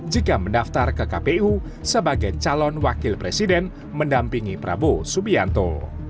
jika mendaftar ke kpu sebagai calon wakil presiden mendampingi prabowo subianto